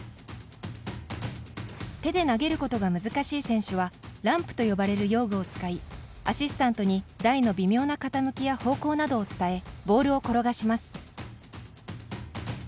手で投げることが難しい選手はランプと呼ばれる用具を使いアシスタントに、台の微妙な傾きや方向などを伝えボールを転がします。